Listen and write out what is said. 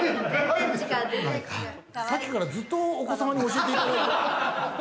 さっきからずっとお子様に教えていただいて。